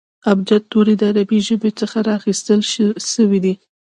ابجد توري د عربي ژبي څخه را اخستل سوي دي.